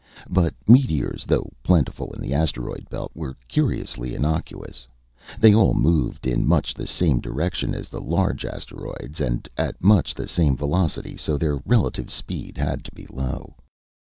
But meteors, though plentiful in the asteroid belt, were curiously innocuous. They all moved in much the same direction as the large asteroids, and at much the same velocity so their relative speed had to be low.